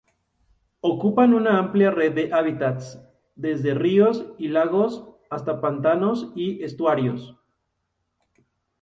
Ocupan una amplia red de hábitats, desde ríos y lagos hasta pantanos y estuarios.